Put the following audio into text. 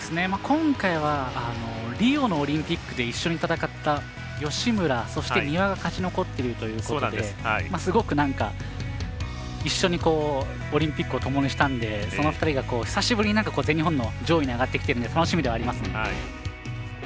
今回はリオのオリンピックで一緒に戦った吉村、丹羽が勝ち残っているということですごく、一緒にオリンピックを共にしたのでその２人が久しぶりに全日本の上位に上がってきているので楽しみではありますね。